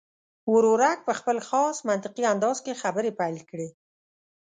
ورورک په خپل خاص منطقي انداز کې خبرې پیل کړې.